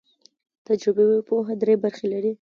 تجربوي پوهه درې برخې لري.